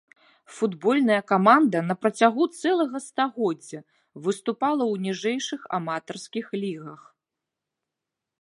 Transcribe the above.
Футбольная каманда на працягу цэлага стагоддзя выступала ў ніжэйшых аматарскіх лігах.